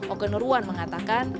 oke nurwan mengatakan